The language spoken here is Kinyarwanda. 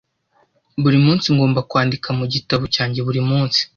Buri munsi ngomba kwandika mu gitabo cyanjye buri munsi.